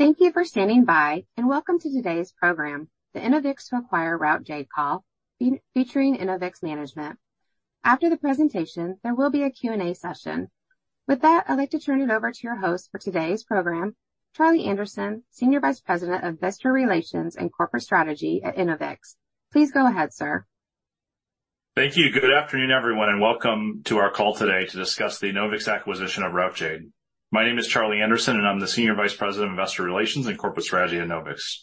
Thank you for standing by, and welcome to today's program, the Enovix to acquire Routejade call, featuring Enovix management. After the presentation, there will be a Q&A session. With that, I'd like to turn it over to your host for today's program, Charlie Anderson, Senior Vice President of Investor Relations and Corporate Strategy at Enovix. Please go ahead, sir. Thank you. Good afternoon, everyone, and welcome to our call today to discuss the Enovix acquisition of Routejade. My name is Charlie Anderson, and I'm the Senior Vice President of Investor Relations and Corporate Strategy at Enovix.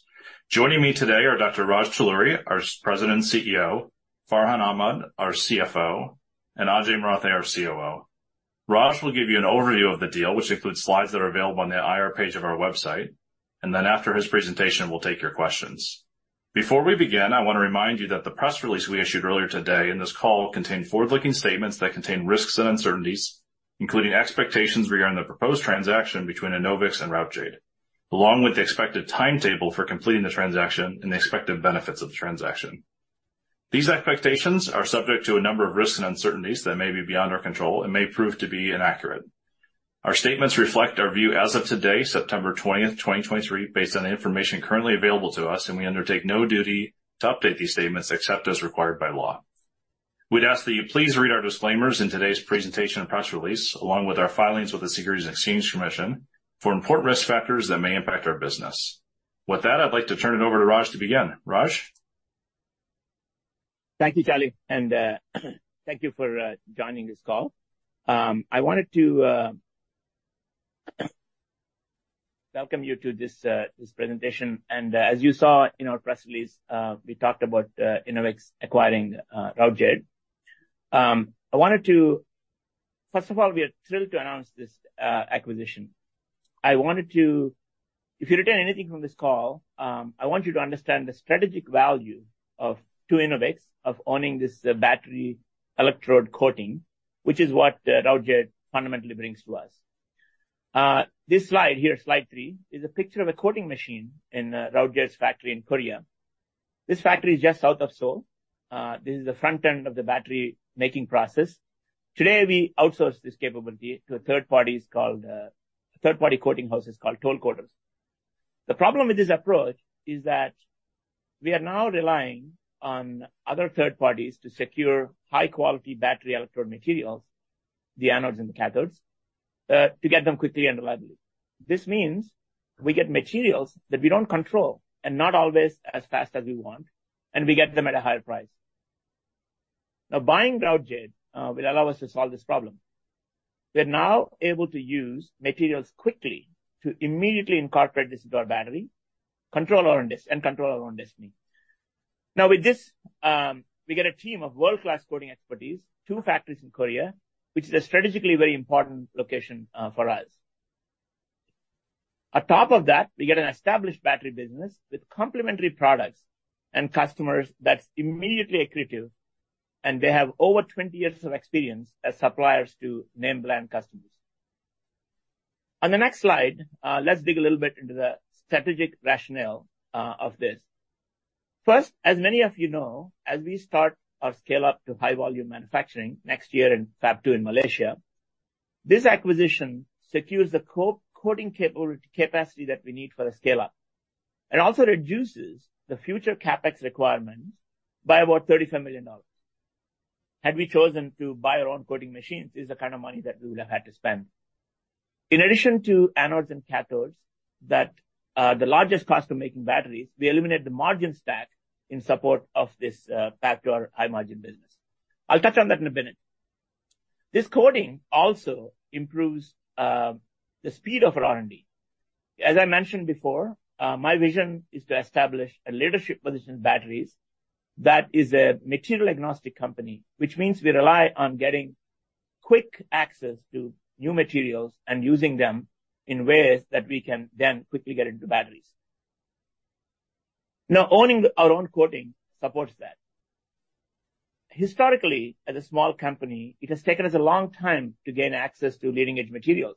Joining me today are Dr. Raj Talluri, our President and CEO, Farhan Ahmad, our CFO, and Ajay Marathe, our COO. Raj will give you an overview of the deal, which includes slides that are available on the IR page of our website, and then after his presentation, we'll take your questions. Before we begin, I want to remind you that the press release we issued earlier today in this call contained forward-looking statements that contain risks and uncertainties, including expectations regarding the proposed transaction between Enovix and Routejade, along with the expected timetable for completing the transaction and the expected benefits of the transaction. These expectations are subject to a number of risks and uncertainties that may be beyond our control and may prove to be inaccurate. Our statements reflect our view as of today, September 20, 2023, based on the information currently available to us, and we undertake no duty to update these statements except as required by law. We'd ask that you please read our disclaimers in today's presentation and press release, along with our filings with the Securities and Exchange Commission, for important risk factors that may impact our business. With that, I'd like to turn it over to Raj to begin. Raj? Thank you, Charlie, and thank you for joining this call. I wanted to welcome you to this presentation. As you saw in our press release, we talked about Enovix acquiring Routejade. First of all, we are thrilled to announce this acquisition. If you retain anything from this call, I want you to understand the strategic value to Enovix of owning this battery electrode coating, which is what Routejade fundamentally brings to us. This slide here, slide three, is a picture of a coating machine in Routejade's factory in Korea. This factory is just south of Seoul. This is the front end of the battery-making process. Today, we outsource this capability to a third party. It's called third-party coating houses called toll coaters. The problem with this approach is that we are now relying on other third parties to secure high-quality battery electrode materials, the anodes and cathodes, to get them quickly and reliably. This means we get materials that we don't control and not always as fast as we want, and we get them at a higher price. Now, buying Routejade will allow us to solve this problem. We're now able to use materials quickly to immediately incorporate this into our battery, control our own destiny, and control our own destiny. Now, with this, we get a team of world-class coating expertise, two factories in Korea, which is a strategically very important location for us. On top of that, we get an established battery business with complementary products and customers that's immediately accretive, and they have over 20 years of experience as suppliers to name brand customers. On the next slide, let's dig a little bit into the strategic rationale of this. First, as many of you know, as we start our scale-up to high volume manufacturing next year in Fab Two in Malaysia, this acquisition secures the coating capability, capacity that we need for the scale up. It also reduces the future CapEx requirements by about $35 million. Had we chosen to buy our own coating machines, is the kind of money that we would have had to spend. In addition to anodes and cathodes, that, the largest cost of making batteries, we eliminate the margin stack in support of this, back to our high-margin business. I'll touch on that in a minute. This coating also improves the speed of our R&D. As I mentioned before, my vision is to establish a leadership position in batteries that is a material-agnostic company, which means we rely on getting quick access to new materials and using them in ways that we can then quickly get into batteries. Now, owning our own coating supports that. Historically, as a small company, it has taken us a long time to gain access to leading-edge materials.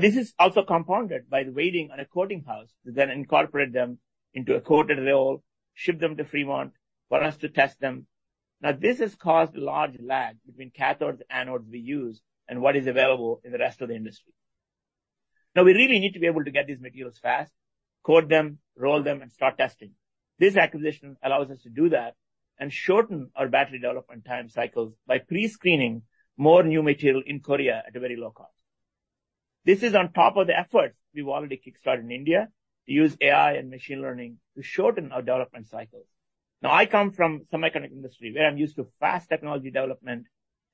This is also compounded by waiting on a coating house to then incorporate them into a coated roll, ship them to Fremont for us to test them. This has caused a large lag between cathodes, anodes we use and what is available in the rest of the industry. Now, we really need to be able to get these materials fast, coat them, roll them, and start testing. This acquisition allows us to do that and shorten our battery development time cycles by pre-screening more new material in Korea at a very low cost. This is on top of the efforts we've already kickstarted in India to use AI and machine learning to shorten our development cycles. Now, I come from semiconductor industry, where I'm used to fast technology development,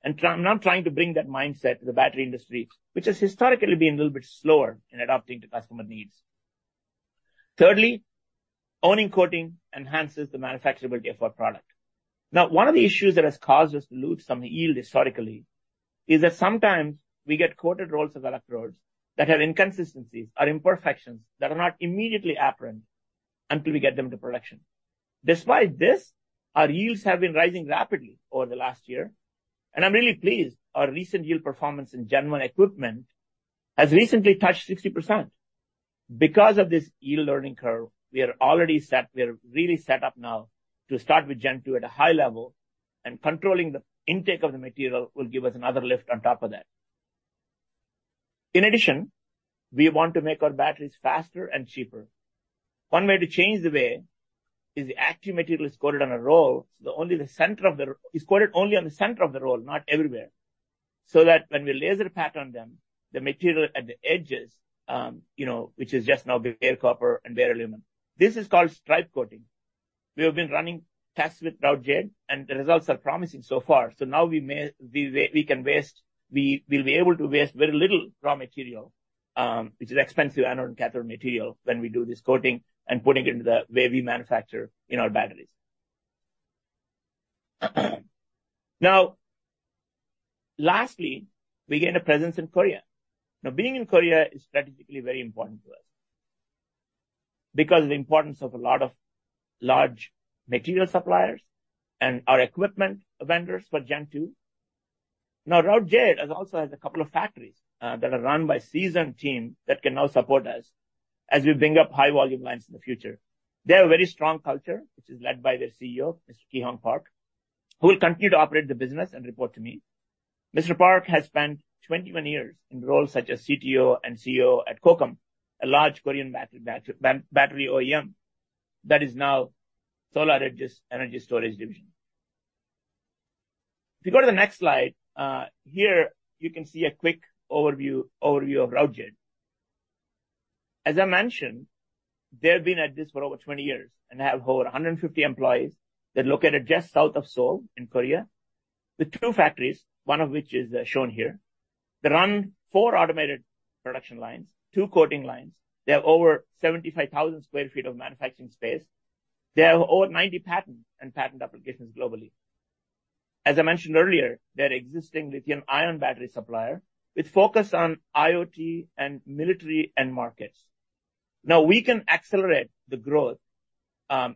and try... I'm now trying to bring that mindset to the battery industry, which has historically been a little bit slower in adapting to customer needs. Thirdly, owning coating enhances the manufacturability of our product. Now, one of the issues that has caused us to lose some yield historically is that sometimes we get coated rolls of electrodes that have inconsistencies or imperfections that are not immediately apparent until we get them to production. Despite this, our yields have been rising rapidly over the last year, and I'm really pleased our recent yield performance in Gen One equipment has recently touched 60%. Because of this yield learning curve, we are already set. We are really set up now to start with Gen Two at a high level... and controlling the intake of the material will give us another lift on top of that. In addition, we want to make our batteries faster and cheaper. One way to change the way is the active material is coated on a roll, so only the center of the roll is coated only on the center of the roll, not everywhere. So that when we laser pattern them, the material at the edges, you know, which is just now bare copper and bare aluminum. This is called stripe coating. We have been running tests with Routejade, and the results are promising so far. So now we will be able to waste very little raw material, which is expensive anode and cathode material, when we do this coating and putting it into the way we manufacture in our batteries. Now, lastly, we gain a presence in Korea. Now, being in Korea is strategically very important to us, because of the importance of a lot of large material suppliers and our equipment vendors for Gen Two. Now, Routejade also has a couple of factories that are run by seasoned team that can now support us as we bring up high volume lines in the future. They have a very strong culture, which is led by their CEO, Mr. Ki Hong Park, who will continue to operate the business and report to me. Mr. Park has spent 21 years in roles such as CTO and CEO at Kokam, a large Korean battery OEM that is now SolarEdge's energy storage division. If you go to the next slide, here you can see a quick overview of Routejade. As I mentioned, they've been at this for over 20 years and have over 150 employees. They're located just south of Seoul in Korea, with two factories, one of which is shown here. They run four automated production lines, two coating lines. They have over 75,000 sq ft of manufacturing space. They have over 90 patents and patent applications globally. As I mentioned earlier, they're existing lithium-ion battery supplier, with focus on IoT and military end markets. Now, we can accelerate the growth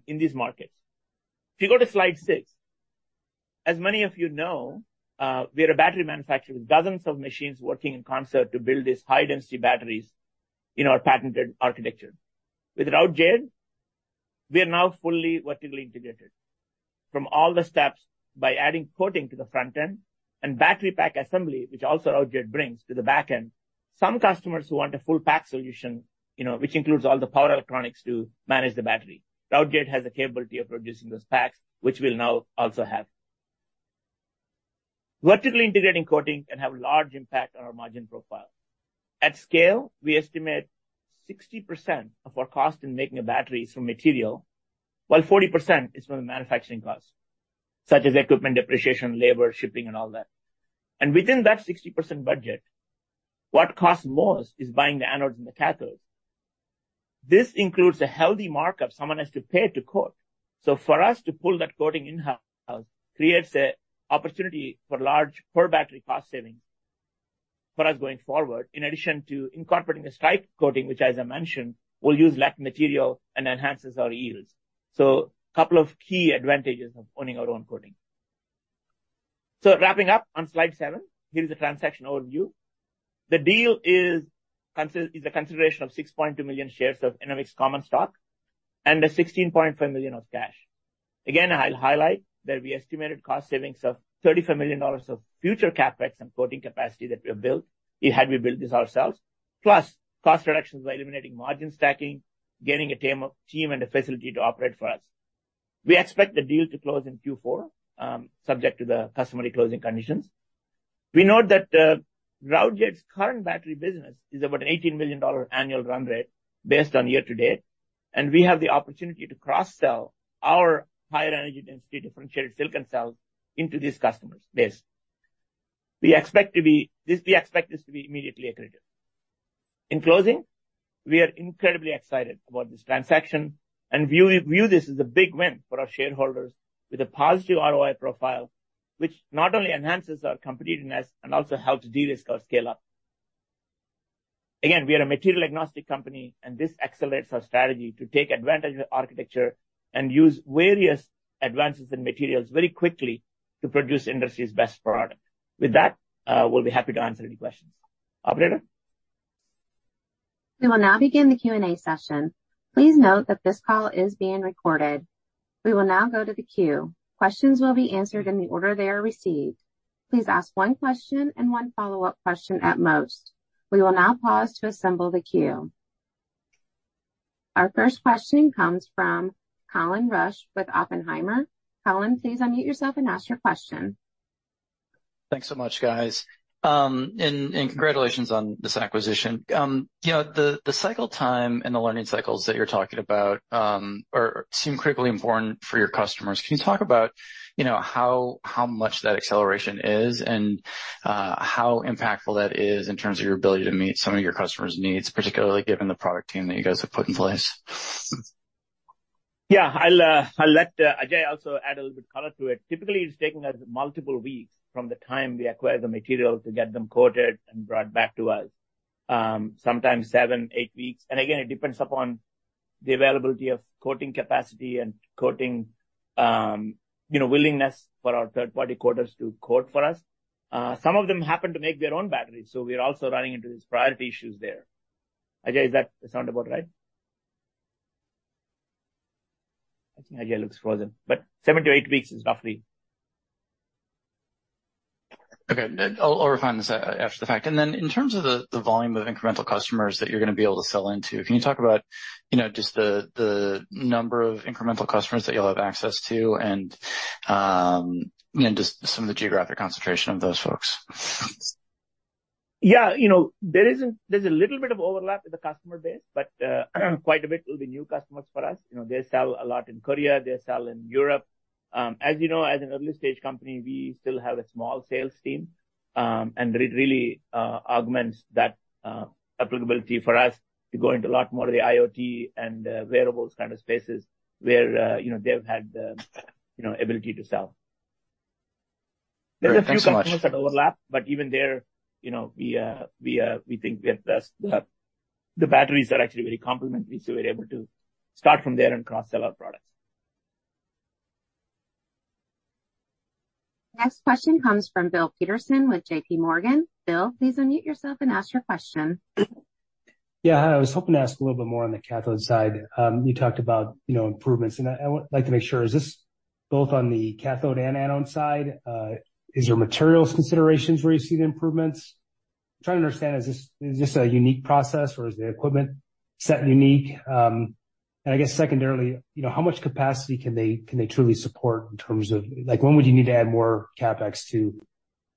in these markets. If you go to slide six. As many of you know, we are a battery manufacturer with dozens of machines working in concert to build these high-density batteries in our patented architecture. With Routejade, we are now fully vertically integrated from all the steps by adding coating to the front end and battery pack assembly, which also Routejade brings to the back end. Some customers want a full pack solution, you know, which includes all the power electronics to manage the battery. Routejade has the capability of producing those packs, which we'll now also have. Vertically integrating coating can have a large impact on our margin profile. At scale, we estimate 60% of our cost in making a battery is from material, while 40% is from the manufacturing cost, such as equipment, depreciation, labor, shipping and all that. And within that 60% budget, what costs most is buying the anodes and the cathodes. This includes a healthy markup someone has to pay to coat. So for us to pull that coating in-house creates an opportunity for large per-battery cost savings for us going forward, in addition to incorporating a stripe coating, which, as I mentioned, will use less material and enhances our yields. So a couple of key advantages of owning our own coating. So wrapping up on slide seven. Here's the transaction overview. The deal is a consideration of 6.2 million shares of Enovix common stock and $16.5 million of cash. Again, I'll highlight that we estimated cost savings of $35 million of future CapEx and coating capacity that we have built, had we built this ourselves, plus cost reductions by eliminating margin stacking, getting a team, a team and a facility to operate for us. We expect the deal to close in Q4, subject to the customary closing conditions. We note that Routejade's current battery business is about an $18 million annual run rate based on year to date, and we have the opportunity to cross-sell our higher energy density differentiated silicon cells into this customers base. We expect this to be immediately accretive. In closing, we are incredibly excited about this transaction and view this as a big win for our shareholders, with a positive ROI profile, which not only enhances our competitiveness and also helps de-risk our scale-up. Again, we are a material-agnostic company, and this accelerates our strategy to take advantage of the architecture and use various advances in materials very quickly to produce industry's best product. With that, we'll be happy to answer any questions. Operator? We will now begin the Q&A session. Please note that this call is being recorded. We will now go to the queue. Questions will be answered in the order they are received. Please ask one question and one follow-up question at most. We will now pause to assemble the queue. Our first question comes from Colin Rusch with Oppenheimer. Colin, please unmute yourself and ask your question. Thanks so much, guys. Congratulations on this acquisition. You know, the cycle time and the learning cycles that you're talking about seem critically important for your customers. Can you talk about, you know, how much that acceleration is and how impactful that is in terms of your ability to meet some of your customers' needs, particularly given the product team that you guys have put in place? Yeah, I'll let Ajay also add a little bit color to it. Typically, it's taking us multiple weeks from the time we acquire the material to get them coated and brought back to us. Sometimes 7-8 weeks. Again, it depends upon the availability of coating capacity and coating, you know, willingness for our third-party coaters to coat for us. Some of them happen to make their own batteries, so we are also running into these priority issues there. Ajay, does that sound about right? I think Ajay looks frozen, but 7 to 8 weeks is roughly. Okay, then I'll refine this after the fact. And then in terms of the volume of incremental customers that you're gonna be able to sell into, can you talk about, you know, just the number of incremental customers that you'll have access to and, you know, just some of the geographic concentration of those folks? Yeah. You know, there's a little bit of overlap in the customer base, but quite a bit will be new customers for us. You know, they sell a lot in Korea, they sell in Europe. As you know, as an early-stage company, we still have a small sales team, and it really augments that applicability for us to go into a lot more of the IoT and wearables kind of spaces where you know, they've had the you know, ability to sell. All right. Thanks so much. There's a few customers that overlap, but even there, you know, we think we have the batteries are actually very complementary, so we're able to start from there and cross-sell our products. Next question comes from Bill Peterson with JPMorgan. Bill, please unmute yourself and ask your question. Yeah, hi. I was hoping to ask a little bit more on the cathode side. You talked about, you know, improvements, and I would like to make sure, is this both on the cathode and anode side? Is there materials considerations where you see the improvements? I'm trying to understand, is this, is this a unique process, or is the equipment set unique? And I guess secondarily, you know, how much capacity can they, can they truly support in terms of... Like, when would you need to add more CapEx to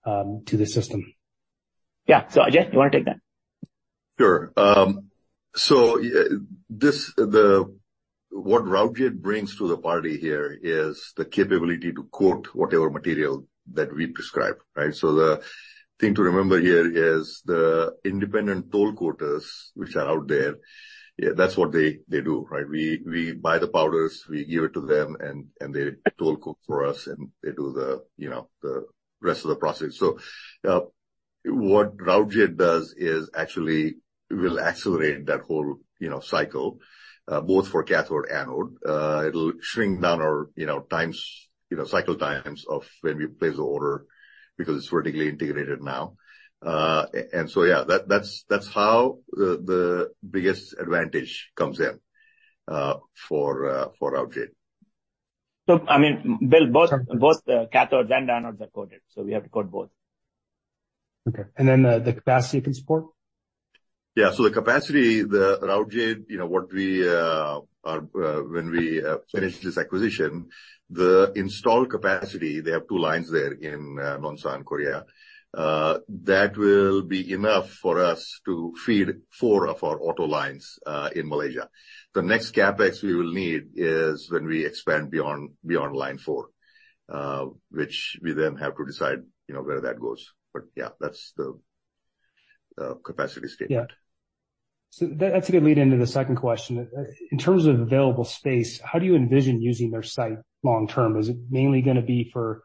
the system? Yeah. So, Ajay, you want to take that? Sure. So this, what Routejade brings to the party here is the capability to coat whatever material that we prescribe, right? So the thing to remember here is the independent toll coaters which are out there, yeah, that's what they do, right? We buy the powders, we give it to them, and they toll coat for us, and they do the, you know, the rest of the process. So what Routejade does is actually will accelerate that whole, you know, cycle, both for cathode, anode. It'll shrink down our, you know, times, you know, cycle times of when we place the order, because it's vertically integrated now. And so, yeah, that's how the biggest advantage comes in, for Routejade. I mean, Bill, both the cathodes and anodes are coated, so we have to coat both. Okay, and then the capacity you can support? Yeah. So the capacity, the Routejade, you know, what we are when we finish this acquisition, the installed capacity, they have two lines there in Nonsan, Korea. That will be enough for us to feed four of our auto lines in Malaysia. The next CapEx we will need is when we expand beyond, beyond line four, which we then have to decide, you know, where that goes. But yeah, that's the capacity statement. Yeah. So that, that's a good lead into the second question. In terms of available space, how do you envision using their site long term? Is it mainly gonna be for,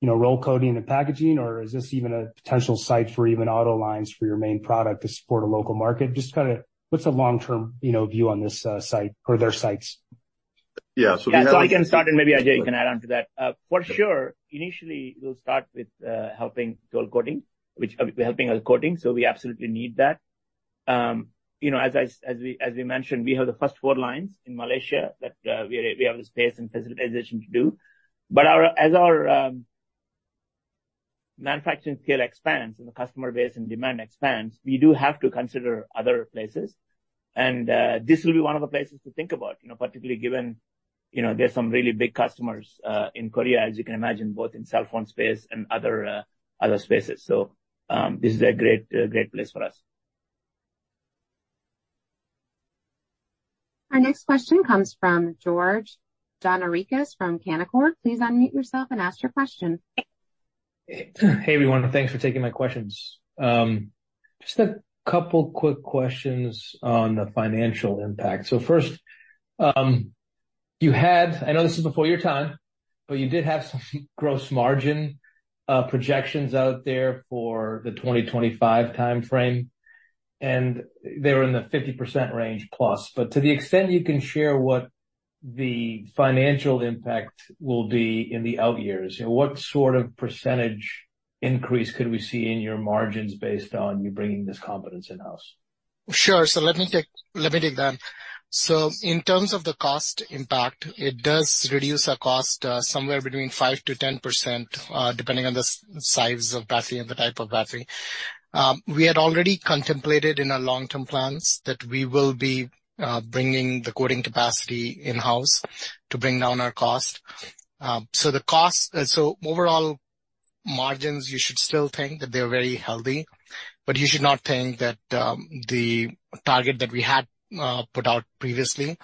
you know, roll coating and packaging, or is this even a potential site for even auto lines for your main product to support a local market? Just kinda what's the long-term, you know, view on this site or their sites? Yeah, so we have- Yeah, so I can start, and maybe Ajay can add on to that. For sure, initially, we'll start with helping with toll coating, which helping with coating, so we absolutely need that. You know, as we mentioned, we have the first four lines in Malaysia that we have the space and fabrication to do. But as our manufacturing scale expands and the customer base and demand expands, we do have to consider other places. And this will be one of the places to think about, you know, particularly given, you know, there are some really big customers in Korea, as you can imagine, both in cell phone space and other spaces. So this is a great place for us. Our next question comes from George Gianarikas from Canaccord. Please unmute yourself and ask your question. Hey, everyone, thanks for taking my questions. Just a couple quick questions on the financial impact. So first, you had... I know this is before your time, but you did have some gross margin projections out there for the 2025 time frame, and they were in the 50% range plus. But to the extent you can share what the financial impact will be in the out years, you know, what sort of percentage increase could we see in your margins based on you bringing this competence in-house? Sure. So let me take that. So in terms of the cost impact, it does reduce our cost somewhere between 5%-10%, depending on the size of battery and the type of battery. We had already contemplated in our long-term plans that we will be bringing the coating capacity in-house to bring down our cost. So overall margins, you should still think that they're very healthy, but you should not think that the target that we had put out previously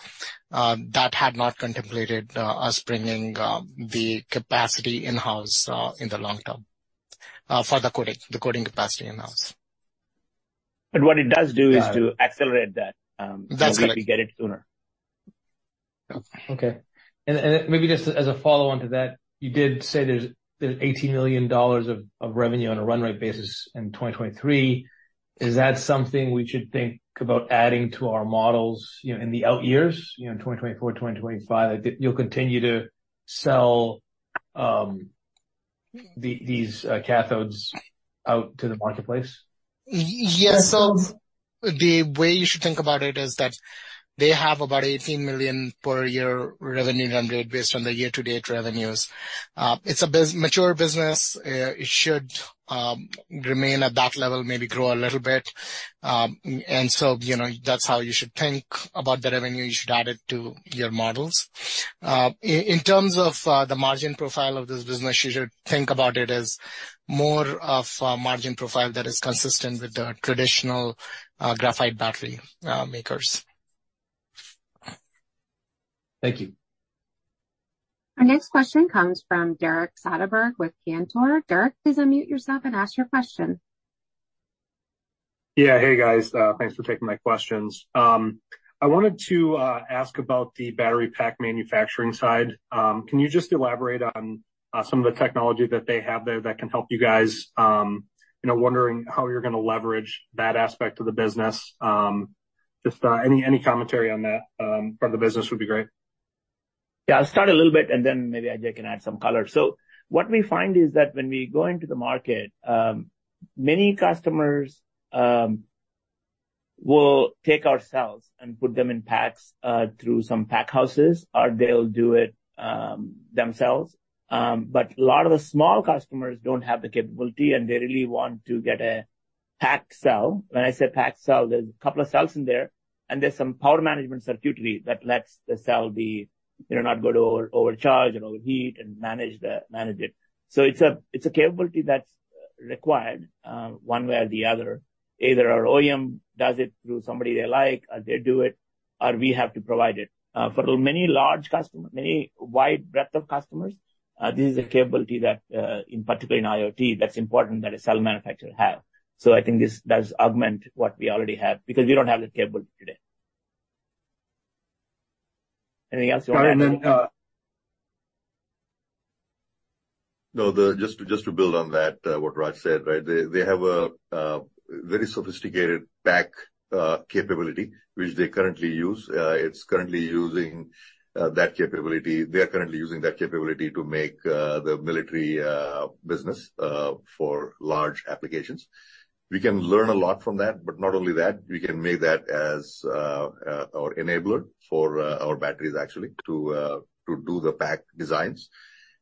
that had not contemplated us bringing the capacity in-house in the long term for the coating, the coating capacity in-house. But what it does do is to accelerate that. That's correct. We get it sooner. Okay. And maybe just as a follow-on to that, you did say there's $18 million of revenue on a run rate basis in 2023. Is that something we should think about adding to our models, you know, in the out years, you know, in 2024, 2025, that you'll continue to sell these cathodes out to the marketplace? Yes. The way you should think about it is that they have about $18 million per year revenue run rate based on their year-to-date revenues. It's a mature business. It should remain at that level, maybe grow a little bit. You know, that's how you should think about the revenue. You should add it to your models. In terms of the margin profile of this business, you should think about it as more of a margin profile that is consistent with the traditional graphite battery makers. Thank you. Our next question comes from Derek Soderberg with Cantor. Derek, please unmute yourself and ask your question. Yeah. Hey, guys, thanks for taking my questions. I wanted to ask about the battery pack manufacturing side. Can you just elaborate on some of the technology that they have there that can help you guys, you know, wondering how you're gonna leverage that aspect of the business? Just any commentary on that from the business would be great. Yeah, I'll start a little bit, and then maybe Ajay can add some color. What we find is that when we go into the market, many customers will take our cells and put them in packs through some pack houses, or they'll do it themselves. A lot of the small customers don't have the capability, and they really want to get a packed cell. When I say packed cell, there's a couple of cells in there, and there's some power management circuitry that lets the cell be, you know, not go to over-overcharge and overheat and manage it. It's a capability that's required one way or the other. Either our OEM does it through somebody they like, or they do it, or we have to provide it. For the many large customers, many wide breadth of customers, this is a capability that, in particular in IoT, that's important that a cell manufacturer have. So I think this does augment what we already have, because we don't have the capability today. Anything else you wanna add? Then, no, just to build on that, what Raj said, right? They have a very sophisticated pack capability which they currently use. It's currently using that capability. They are currently using that capability to make the military business for large applications. We can learn a lot from that, but not only that, we can make that as our enabler for our batteries, actually, to do the pack designs.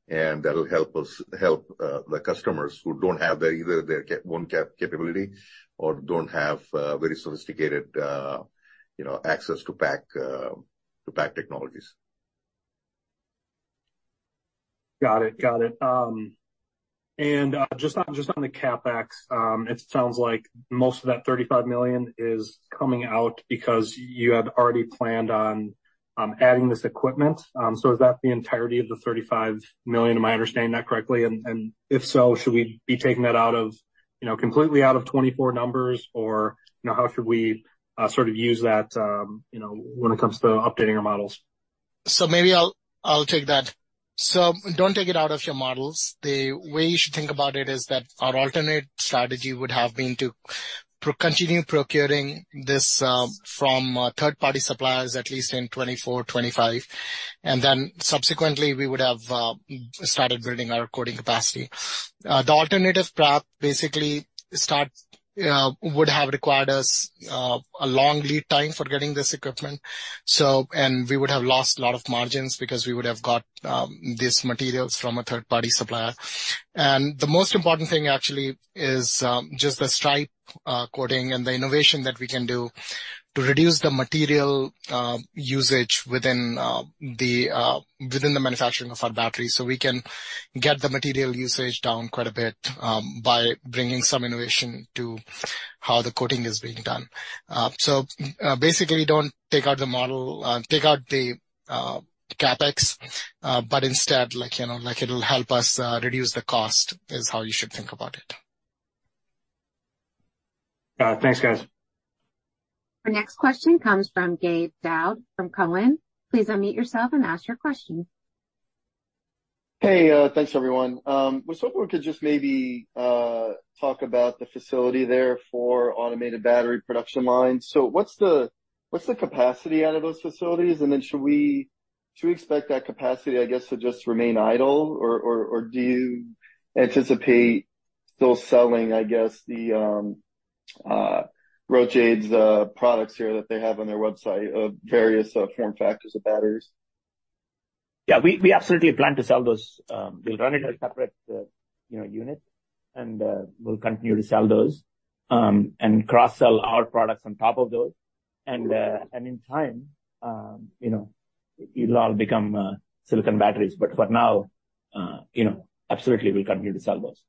And that'll help us help the customers who don't have their own capability or don't have very sophisticated, you know, access to pack technologies. Got it. Got it. And, just on, just on the CapEx, it sounds like most of that $35 million is coming out because you had already planned on, adding this equipment. So is that the entirety of the $35 million? Am I understanding that correctly? And, and if so, should we be taking that out of, you know, completely out of 2024 numbers, or, you know, how should we, sort of use that, you know, when it comes to updating our models? So maybe I'll, I'll take that. So don't take it out of your models. The way you should think about it is that our alternate strategy would have been to continue procuring this from third-party suppliers, at least in 2024, 2025, and then subsequently, we would have started building our coating capacity. The alternative path basically starts would have required us a long lead time for getting this equipment. So, and we would have lost a lot of margins because we would have got these materials from a third-party supplier. The most important thing actually is just the stripe coating and the innovation that we can do to reduce the material usage within the manufacturing of our batteries, so we can get the material usage down quite a bit by bringing some innovation to how the coating is being done. So basically, don't take out the model, take out the CapEx, but instead, like, you know, like it'll help us reduce the cost, is how you should think about it. Thanks, guys. Our next question comes from Gabe Daoud from Cowen. Please unmute yourself and ask your question. Hey, thanks, everyone. Was hoping we could just maybe talk about the facility there for automated battery production lines. So what's the capacity out of those facilities? And then should we expect that capacity, I guess, to just remain idle, or do you anticipate still selling, I guess, the Routejade's products here that they have on their website of various form factors of batteries? Yeah, we absolutely plan to sell those. We'll run it as a separate, you know, unit, and we'll continue to sell those, you know, and cross-sell our products on top of those. In time, you know, it'll all become, you know, silicon batteries. For now, you know, absolutely, we'll continue to sell those.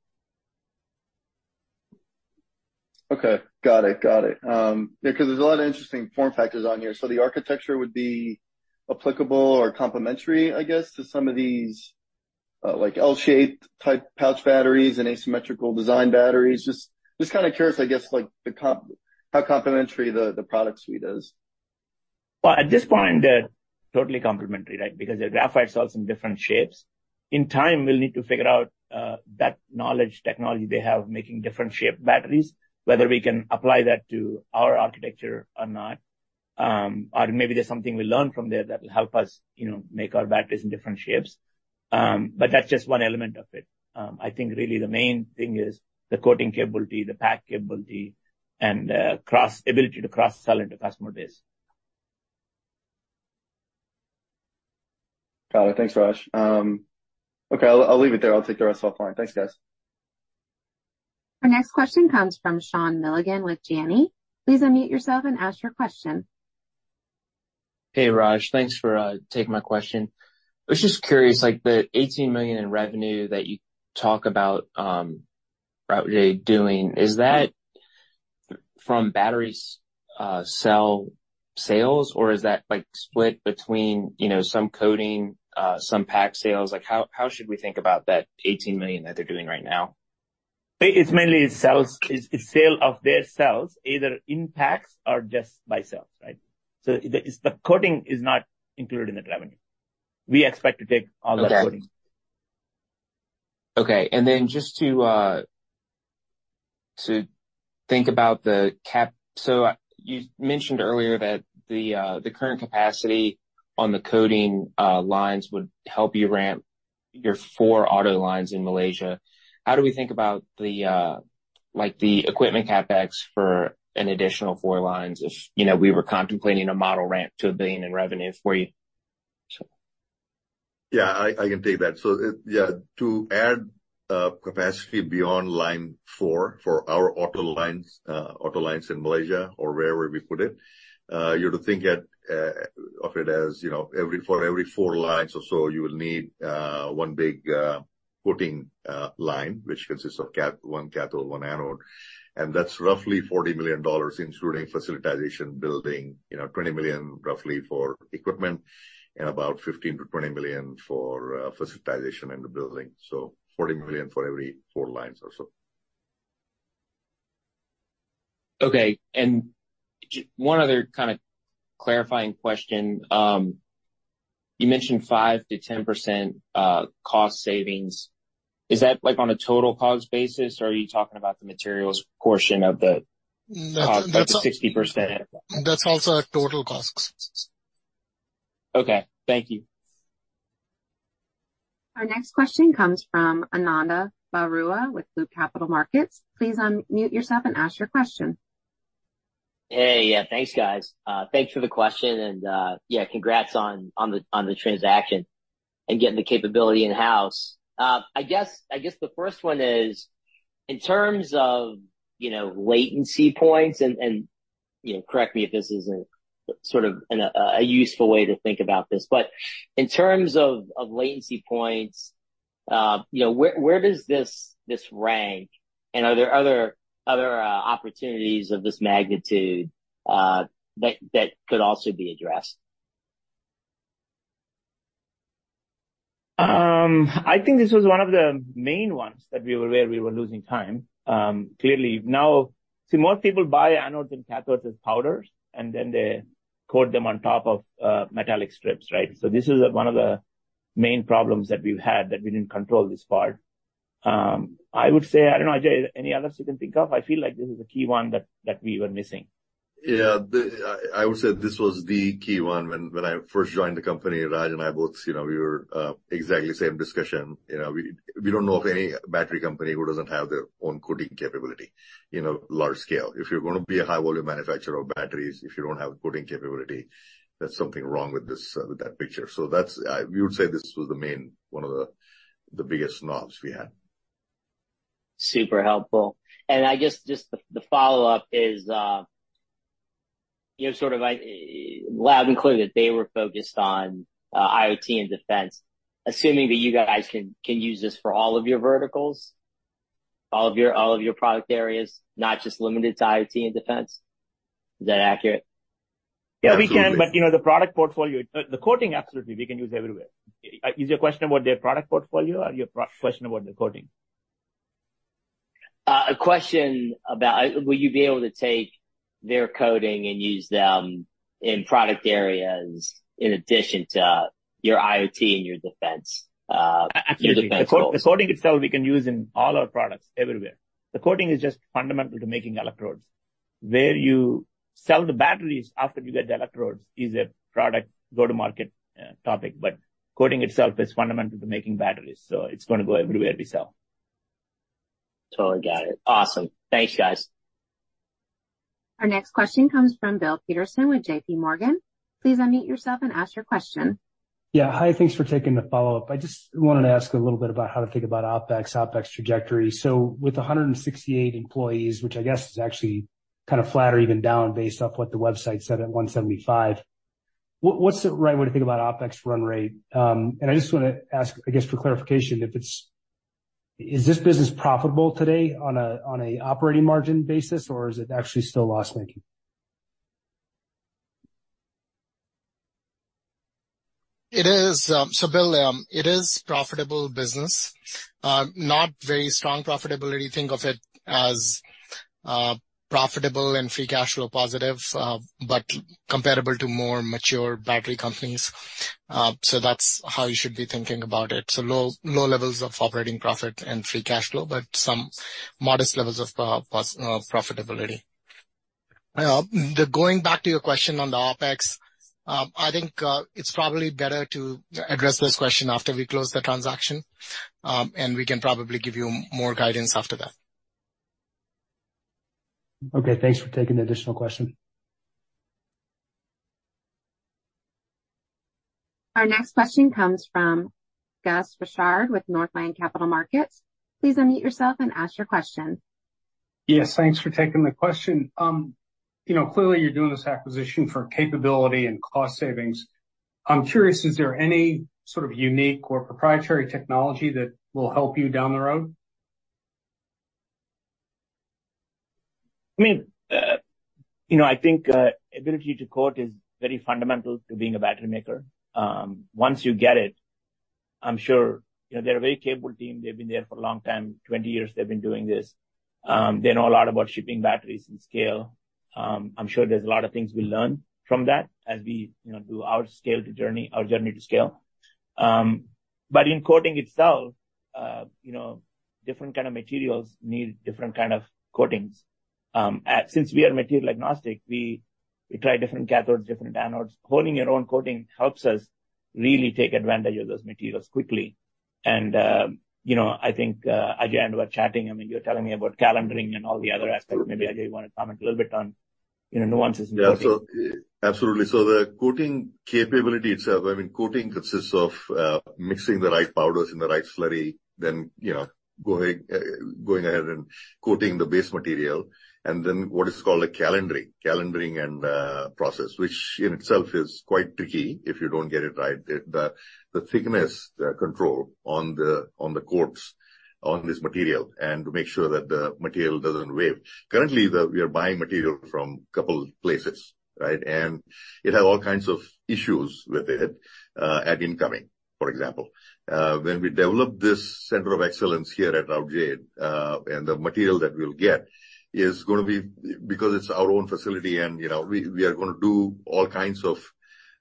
Okay. Got it. Got it. Because there's a lot of interesting form factors on here. So the architecture would be applicable or complementary, I guess, to some of these, like, L-shaped type pouch batteries and asymmetrical design batteries. Just, just kind of curious, I guess, like, the how complementary the, the product suite is. Well, at this point, they're totally complementary, right? Because the graphite cells in different shapes. In time, we'll need to figure out that knowledge, technology they have, making different shaped batteries, whether we can apply that to our architecture or not... Or maybe there's something we learn from there that will help us, you know, make our batteries in different shapes. But that's just one element of it. I think really the main thing is the coating capability, the pack capability, and cross-ability to cross-sell into customer base. Got it. Thanks, Raj. Okay, I'll leave it there. I'll take the rest offline. Thanks, guys. Our next question comes from Sean Milligan with Janney. Please unmute yourself and ask your question. Hey, Raj. Thanks for taking my question. I was just curious, like, the $18 million in revenue that you talk about, Routejade doing, is that from battery cell sales, or is that, like, split between, you know, some coating, some pack sales? Like, how should we think about that $18 million that they're doing right now? It's mainly cells. It's sale of their cells, either in packs or just by cells, right? So the coating is not included in that revenue. We expect to take all that coating. Okay. And then just to think about the CapEx. So you mentioned earlier that the current capacity on the coating lines would help you ramp your four auto lines in Malaysia. How do we think about the, like, the equipment CapEx for an additional four lines if, you know, we were contemplating a model ramp to $1 billion in revenue for you? Yeah, I can take that. So it, yeah, to add capacity beyond line four for our auto lines, auto lines in Malaysia or wherever we put it, you have to think of it as, you know, every four lines or so, you will need one big coating line, which consists of one cathode, one anode, and that's roughly $40 million, including facilitization, building, you know, $20 million roughly for equipment and about $15 million-$20 million for facilitization in the building. So $40 million for every four lines or so. Okay. Just one other kind of clarifying question. You mentioned 5%-10% cost savings. Is that, like, on a total cost basis, or are you talking about the materials portion of the 60%? That's also a total cost. Okay, thank you. Our next question comes from Ananda Baruah with Loop Capital Markets. Please unmute yourself and ask your question. Hey, yeah, thanks, guys. Thanks for the question, and yeah, congrats on the transaction and getting the capability in-house. I guess the first one is, in terms of, you know, latency points, and, you know, correct me if this isn't sort of a useful way to think about this, but in terms of latency points, you know, where does this rank? Are there other opportunities of this magnitude that could also be addressed? I think this was one of the main ones that we were aware we were losing time. Clearly, now, see, most people buy anodes and cathodes as powders, and then they coat them on top of metallic strips, right? So this is one of the main problems that we've had, that we didn't control this part. I would say, I don't know, Ajay, any others you can think of? I feel like this is a key one that we were missing. Yeah, I would say this was the key one. When I first joined the company, Raj and I both, you know, we were exactly the same discussion. You know, we don't know of any battery company who doesn't have their own coating capability in a large scale. If you're gonna be a high-volume manufacturer of batteries, if you don't have a coating capability, there's something wrong with this, with that picture. So that's, we would say this was the main, one of the biggest knobs we had. Super helpful. I guess just the follow-up is, you know, sort of like loud and clear that they were focused on, you know, IoT and defense. Assuming that you guys can use this for all of your verticals, all of your product areas, not just limited to IoT and defense. Is that accurate? Yeah, we can. Absolutely. You know, the product portfolio, the coating, absolutely, we can use everywhere. Is your question about their product portfolio, or your question about the coating? A question about, will you be able to take their coating and use them in product areas in addition to your IoT and your defense? Absolutely. The coating itself, we can use in all our products everywhere. The coating is just fundamental to making electrodes. Where you sell the batteries after you get the electrodes is a product go-to-market topic, but coating itself is fundamental to making batteries, so it's gonna go everywhere we sell. Totally got it. Awesome. Thanks, guys. Our next question comes from Bill Peterson with JPMorgan. Please unmute yourself and ask your question. Yeah. Hi, thanks for taking the follow-up. I just wanted to ask a little bit about how to think about OpEx, OpEx trajectory. So with 168 employees, which I guess is actually kind of flat or even down, based off what the website said at 175, what's the right way to think about OpEx run rate? And I just want to ask, I guess, for clarification, if it's... Is this business profitable today on a operating margin basis, or is it actually still loss-making? It is, so Bill, it is profitable business, not very strong profitability. Think of it as, profitable and free cash flow positive, but comparable to more mature battery companies. So that's how you should be thinking about it. So low, low levels of operating profit and free cash flow, but some modest levels of profitability... Going back to your question on the OpEx, I think, it's probably better to address this question after we close the transaction, and we can probably give you more guidance after that. Okay, thanks for taking the additional question. Our next question comes from Gus Richard with Northland Capital Markets. Please unmute yourself and ask your question. Yes, thanks for taking the question. You know, clearly you're doing this acquisition for capability and cost savings. I'm curious, is there any sort of unique or proprietary technology that will help you down the road? I mean, you know, I think, ability to coat is very fundamental to being a battery maker. Once you get it, I'm sure, you know, they're a very capable team. They've been there for a long time. 20 years they've been doing this. They know a lot about shipping batteries and scale. I'm sure there's a lot of things we learn from that as we, you know, do our scale to journey- our journey to scale. But in coating itself, you know, different kind of materials need different kind of coatings. Since we are material agnostic, we try different cathodes, different anodes. Holding your own coating helps us really take advantage of those materials quickly. And, you know, I think, Ajay, and we're chatting, I mean, you're telling me about calendering and all the other aspects. Maybe, Ajay, you want to comment a little bit on, you know, nuances in coating? Yeah, so absolutely. So the coating capability itself, I mean, coating consists of mixing the right powders in the right slurry, then, you know, going ahead and coating the base material, and then what is called a calendering. Calendering and process, which in itself is quite tricky if you don't get it right. The thickness, the control on the coats on this material, and to make sure that the material doesn't wave. Currently, we are buying material from a couple places, right? And it has all kinds of issues with it at incoming, for example. When we develop this center of excellence here at Routejade, and the material that we'll get is gonna be... Because it's our own facility, and, you know, we are gonna do all kinds of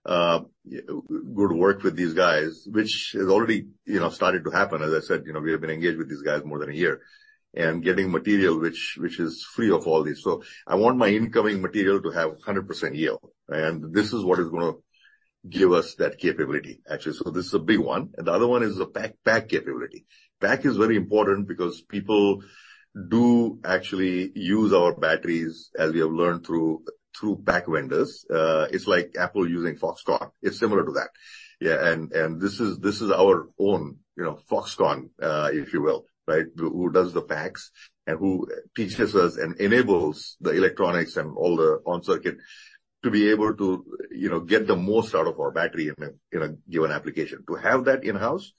good work with these guys, which has already, you know, started to happen. As I said, you know, we have been engaged with these guys more than a year, and getting material which is free of all this. So I want my incoming material to have 100% yield, and this is what is gonna give us that capability, actually. So this is a big one, and the other one is the pack capability. Pack is very important because people do actually use our batteries, as we have learned through pack vendors. It's like Apple using Foxconn. It's similar to that. Yeah, and this is our own, you know, Foxconn, if you will, right? Who does the packs and who teaches us and enables the electronics and all the on-circuit to be able to, you know, get the most out of our battery in a given application. To have that in-house,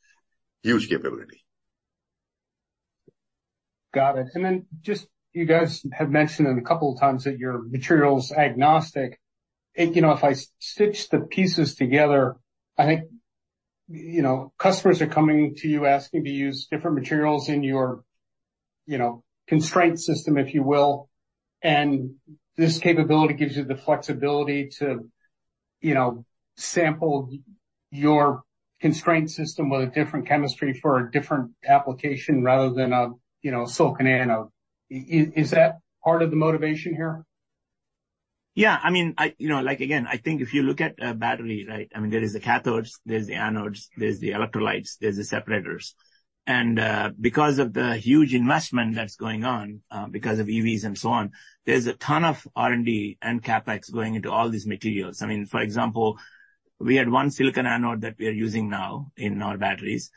huge capability. Got it. You guys have mentioned it a couple of times, that you're materials agnostic. You know, if I stitch the pieces together, I think, you know, customers are coming to you asking to use different materials in your, you know, constraint system, if you will. This capability gives you the flexibility to, you know, sample your constraint system with a different chemistry for a different application rather than a, you know, silicon anode. Is that part of the motivation here? Yeah, I mean, I, you know, like, again, I think if you look at a battery, right? I mean, there is the cathodes, there's the anodes, there's the electrolytes, there's the separators. Because of the huge investment that's going on, because of EVs and so on, there's a ton of R&D and CapEx going into all these materials. I mean, for example, we had one silicon anode that we are using now in our batteries.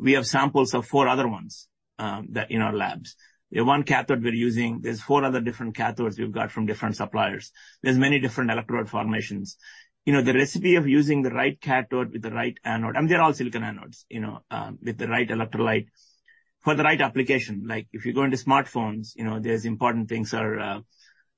We have samples of four other ones that are in our labs. We have one cathode we're using. There's four other different cathodes we've got from different suppliers. There's many different electrode formations. You know, the recipe of using the right cathode with the right anode, and they're all silicon anodes, you know, with the right electrolyte for the right application. Like, if you go into smartphones, you know, there are important things,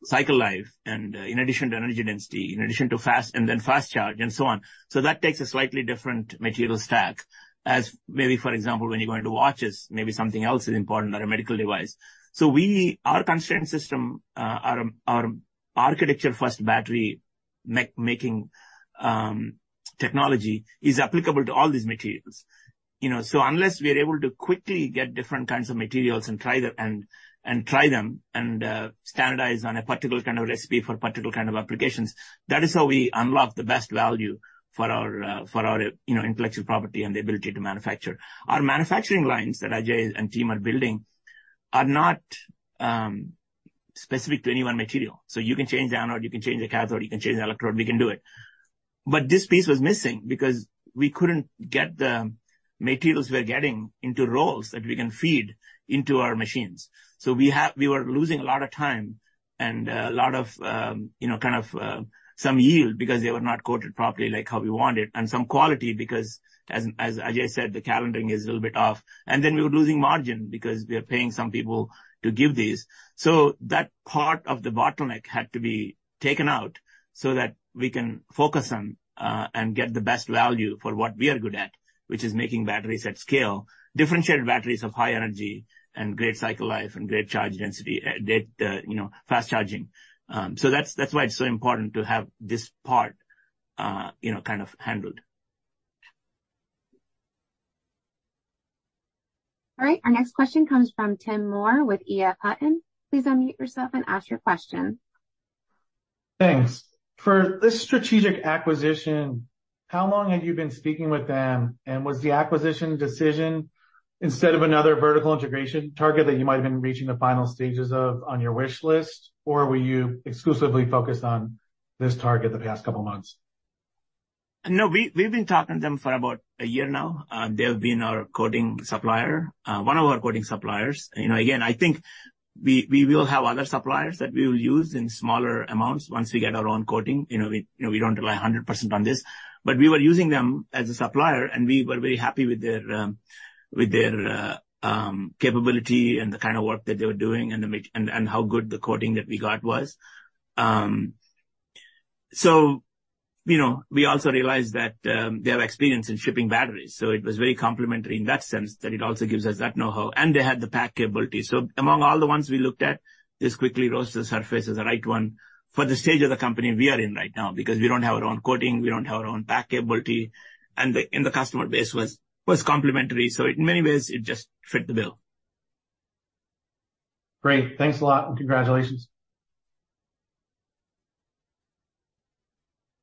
cycle life and, in addition to energy density, in addition to fast and then fast charge, and so on. So that takes a slightly different material stack, as maybe, for example, when you go into watches, maybe something else is important or a medical device. So we our constraint system, our architecture-first battery making technology is applicable to all these materials, you know? So unless we are able to quickly get different kinds of materials and try them, and try them and standardize on a particular kind of recipe for particular kind of applications, that is how we unlock the best value for our, for our, you know, intellectual property and the ability to manufacture. Our manufacturing lines that Ajay and team are building are not specific to any one material. So you can change the anode, you can change the cathode, you can change the electrode, we can do it. But this piece was missing because we couldn't get the materials we are getting into rolls that we can feed into our machines. So we were losing a lot of time and a lot of, you know, kind of, some yield because they were not coated properly like how we wanted, and some quality because as Ajay said, the calendaring is a little bit off. And then we were losing margin because we are paying some people to give these. So that part of the bottleneck had to be taken out so that we can focus on, and get the best value for what we are good at, which is making batteries at scale, differentiated batteries of high energy and great cycle life and great charge density, great, you know, fast charging. So that's, that's why it's so important to have this part, you know, kind of handled. All right. Our next question comes from Tim Moore with EF Hutton. Please unmute yourself and ask your question. Thanks. For this strategic acquisition, how long have you been speaking with them? And was the acquisition decision instead of another vertical integration target that you might have been reaching the final stages of on your wish list? Or were you exclusively focused on this target the past couple of months? No, we've been talking to them for about a year now. They've been our coating supplier, one of our coating suppliers. You know, again, I think we will have other suppliers that we will use in smaller amounts once we get our own coating. You know, we don't rely 100% on this, but we were using them as a supplier, and we were very happy with their capability and the kind of work that they were doing and how good the coating that we got was. So, you know, we also realized that they have experience in shipping batteries, so it was very complementary in that sense, that it also gives us that know-how, and they had the pack capability. Among all the ones we looked at, this quickly rose to the surface as the right one for the stage of the company we are in right now, because we don't have our own coating, we don't have our own pack capability, and the customer base was complementary. In many ways, it just fit the bill. Great. Thanks a lot, and congratulations.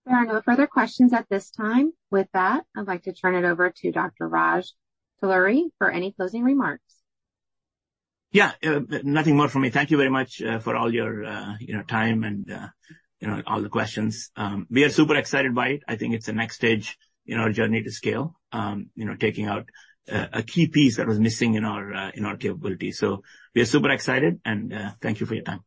There are no further questions at this time. With that, I'd like to turn it over to Dr. Raj Talluri for any closing remarks. Yeah, nothing more from me. Thank you very much, for all your, you know, time and, you know, all the questions. We are super excited by it. I think it's the next stage in our journey to scale, you know, taking out a key piece that was missing in our capability. So we are super excited, and, thank you for your time.